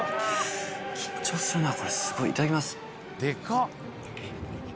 緊張するなこれすごいいただきます。